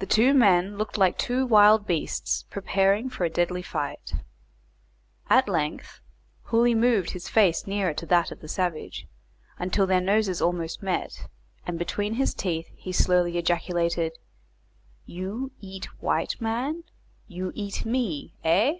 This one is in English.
The two men looked like two wild beasts preparing for a deadly fight. At length, Hooley moved his face nearer to that of the savage, until their noses almost met, and between his teeth he slowly ejaculated: "You eat white man? You eat me? Eh?"